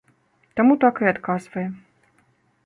Таму так і адказвае.